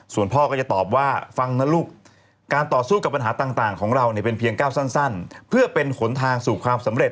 ส่วนพ่อก็จะตอบว่าฟังนะลูก